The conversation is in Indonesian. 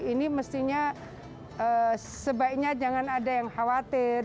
ini mestinya sebaiknya jangan ada yang khawatir